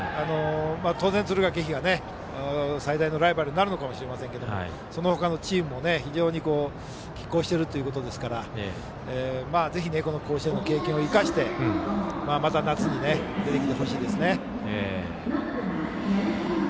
当然、敦賀気比が最大のライバルになるのかもしれないですけれどその他のチームも非常にきっ抗しているということなのでぜひこの甲子園の経験を生かしてまた夏に出てきてほしいですね。